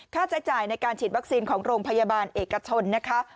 ค่าใช้จ่ายในการฉีดวัคซีนของโรงพยาบาลเอกชนนะคะ